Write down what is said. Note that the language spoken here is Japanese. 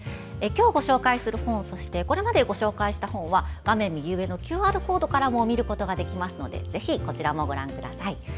今日ご紹介する本、そしてこれまでご紹介した本は画面右上のＱＲコードからも見ることができますのでぜひ、こちらもご覧ください。